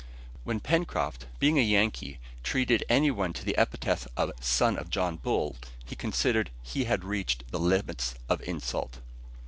When Pencroft, being a Yankee, treated any one to the epithet of "son of John Bull," he considered he had reached the last limits of insult.